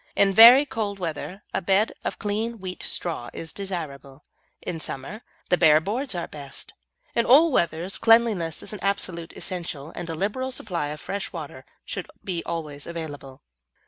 In very cold weather a bed of clean wheat straw is desirable, in summer the bare boards are best. In all weathers cleanliness is an absolute essential, and a liberal supply of fresh water should be always available.